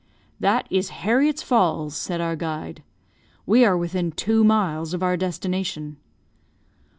"That is Herriot's Falls," said our guide. "We are within two miles of our destination."